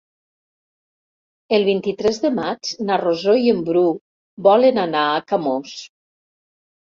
El vint-i-tres de maig na Rosó i en Bru volen anar a Camós.